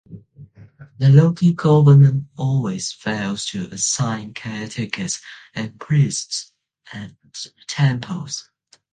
The local government always fails to assign caretakers and priests at temples.